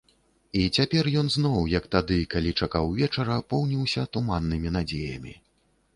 І цяпер ён зноў, як тады, калі чакаў вечара, поўніўся туманнымі надзеямі.